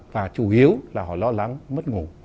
và chủ yếu là họ lo lắng mất ngủ